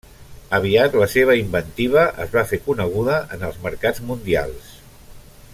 Aviat la seva inventiva es va fer coneguda en els mercats mundials.